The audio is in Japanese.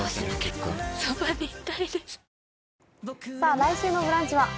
来週の「ブランチ」は？